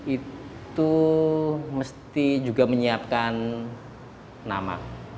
itu mesti juga menyiapkan nama